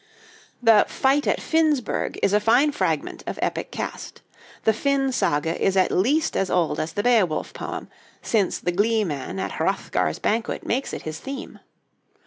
The 'Fight at Finnsburg' is a fine fragment of epic cast. The Finn saga is at least as old as the Beowulf poem, since the gleeman at Hrothgar's banquet makes it his theme.